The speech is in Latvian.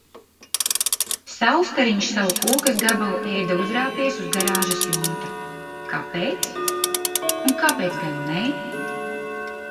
Saulstariņš savu kūkas gabalu ēda, uzrāpies uz garāžas jumta. Kāpēc? Un kāpēc gan nē?